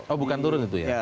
oh bukan turun itu ya